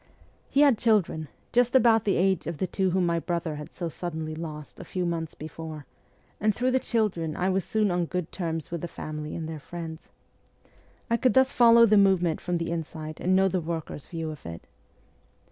He had children, just about the age of the two whom my brother had so suddenly lost a few months before, and through the children I was soon on good terms with the family and their friends. I could thus follow the movement from the inside, and know the workers' view of it.